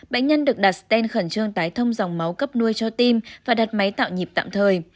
bệnh nhân được đặt sten khẩn trương tái thông dòng máu cấp nuôi cho tim và đặt máy tạo nhịp tạm thời